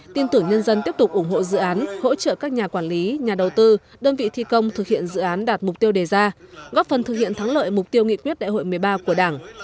tin tưởng nhân dân tiếp tục ủng hộ dự án hỗ trợ các nhà quản lý nhà đầu tư đơn vị thi công thực hiện dự án đạt mục tiêu đề ra góp phần thực hiện thắng lợi mục tiêu nghị quyết đại hội một mươi ba của đảng